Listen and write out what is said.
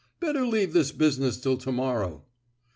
... Better leave this bus'ness till to morrow."